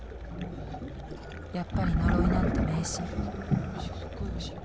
やっぱり呪いなんて迷信おいしいよ